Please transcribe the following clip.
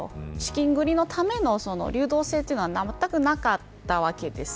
資金繰りのための流動性というのはまったくなかったわけです。